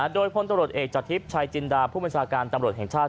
โดยคนตำรวจเอกจาธิบชายจินดาผู้บริษัทการตำรวจแห่งชาติ